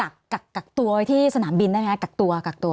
กักตัวที่สนามบินได้ไหมครับกักตัว